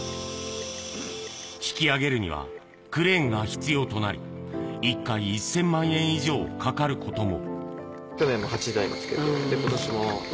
引き上げるにはクレーンが必要となり、１回１０００万円以上かかることも。